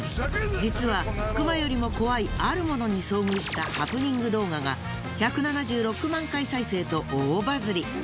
実はクマよりも怖いあるものに遭遇したハプニング動画が１７６万回再生と大バズり。